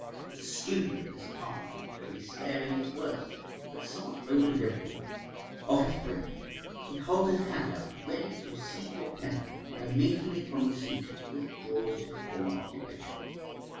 The student of this apartment is very sparing of his words, but somewhat over liberal of his breath. He holds his hand out ready to receive your penny, and immediately upon receipt withdraws to his former occupations.